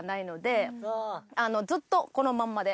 ずっとこのまんまで。